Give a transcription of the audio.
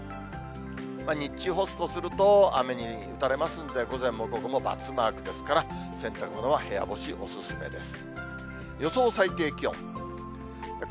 日中、干すとすると雨に打たれますので、午前も午後も×マークですから、洗濯物は部屋干しお勧めです。